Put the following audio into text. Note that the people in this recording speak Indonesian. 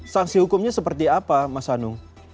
sanksi hukumnya seperti apa mas anung